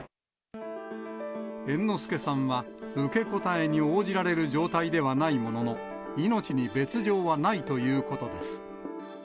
猿之助さんは受け答えに応じられる状態ではないものの、命に別状はないということです。